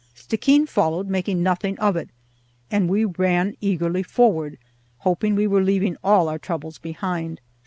Stickeen followed, making nothing of it, and we ran eagerly forward, hoping we were leaving all our troubles behind.